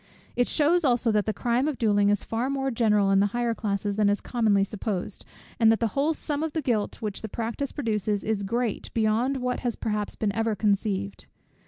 It shews also that the crime of duelling is far more general in the higher classes than is commonly supposed, and that the whole sum of the guilt which the practice produces is great, beyond what has perhaps been ever conceived!